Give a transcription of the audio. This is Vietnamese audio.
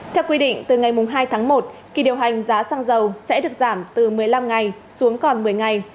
theo quy định từ ngày hai tháng một kỳ điều hành giá xăng dầu sẽ được giảm từ một mươi năm ngày xuống còn một mươi ngày